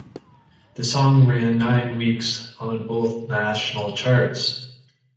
The song ran nine weeks on both national charts.